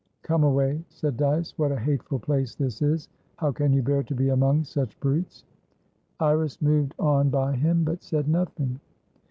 "Come away," said Dyce. "What a hateful place this is! How can you bear to be among such brutes?" Iris moved on by him, but said nothing.